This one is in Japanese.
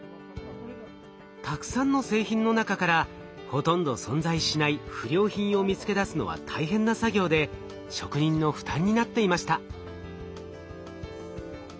たくさんの製品の中からほとんど存在しない不良品を見つけ出すのは大変な作業で職人の負担になっていました。